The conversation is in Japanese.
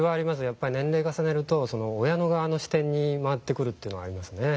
やっぱり年齢を重ねると親の側の視点に回ってくるというのはありますね。